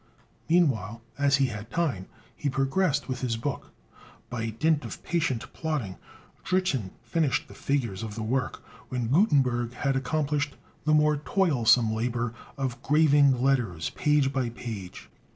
Meanwhile, as he had time, he progressed with his book. By dint of patient plodding, Dritzhn finished the figures of the work, when Gutenberg had accomplished the more toilsome labor of graving letters, page by page.